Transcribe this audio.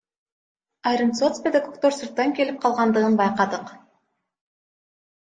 Айрым соцпедагогдор сырттан эле келип калгандыгын байкадык.